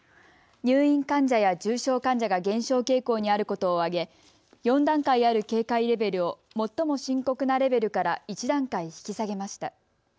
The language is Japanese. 入院患者や重症患者が減少傾向にあることを挙げ４段階ある警戒レベルを最も深刻なレベルから１段階引き下げました。